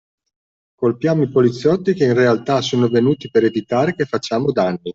Colpiamo i poliziotti che in realtà sono venuti per evitare che facciamo danni